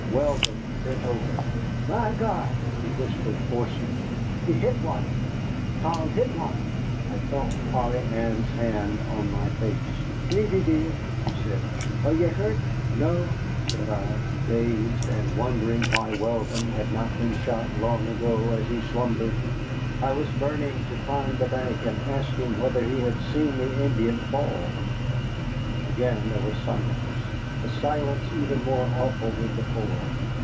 Weldon bent over. "My God!" he whispered hoarsely, "he hit one. Tom hit one." I felt Polly Ann's hand on my face. "Davy dear," she said, "are ye hurt?" "No," said I, dazed, and wondering why Weldon had not been shot long ago as he slumbered. I was burning to climb the bank and ask him whether he had seen the Indian fall. Again there was silence, a silence even more awful than before.